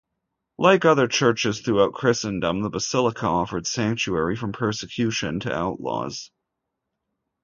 Like other churches throughout Christendom, the basilica offered sanctuary from persecution to outlaws.